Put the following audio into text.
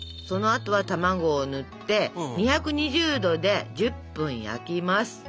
そのあとは卵をぬって２２０℃で１０分焼きます。